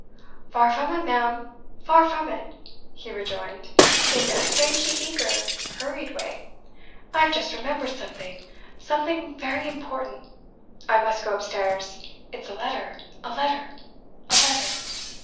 "Far from it, ma'am, far from it!" he rejoined, in a strangely eager, hurried way. "I have just remembered something something very important. I must go upstairs it's a letter, a letter, a letter.